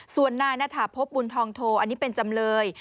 ส่วนนายณฐาพบบุญทองโทอันนี้เป็นจำเลย